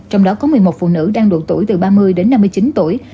trong đó có một mươi một phụ nữ đang độ tuổi từ ba mươi đến năm mươi chín tuổi